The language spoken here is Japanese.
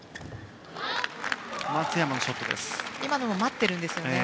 今のも待っていたんですよね。